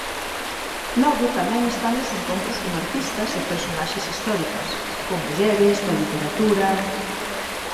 Logo tamén están os encontros con artistas e personaxes históricas, con mulleres, coa literatura...